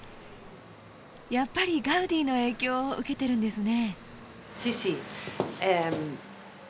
やっぱりガウディの影響を受けてるんですね。